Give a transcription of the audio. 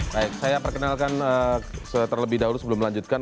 baik saya perkenalkan terlebih dahulu sebelum melanjutkan